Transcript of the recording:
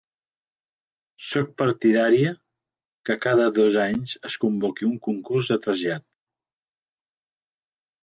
Soc partidària que cada dos anys es convoqui un concurs de trasllat.